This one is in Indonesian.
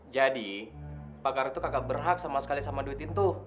jadi pak ardun tuh kagak berhak sama sekali sama duit itu